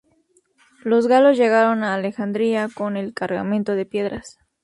Los galos llegaron a Alejandría con el cargamento de piedras.